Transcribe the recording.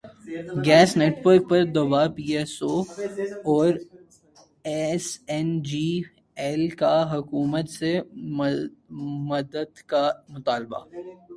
gas network پر دبا P S O اور ایس این جی ایل کا حکومت سے مدد کا مطالبہ